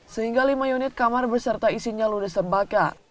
sehingga lima unit kamar berserta isinya ludes terbakar